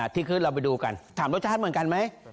ที่ขึ้นเราไปดูกันถามรสชาติเหมือนกันไหม